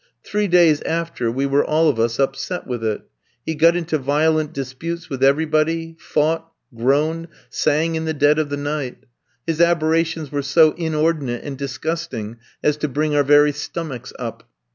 Three days after, we were all of us upset with it; he got into violent disputes with everybody, fought, groaned, sang in the dead of the night; his aberrations were so inordinate and disgusting as to bring our very stomachs up.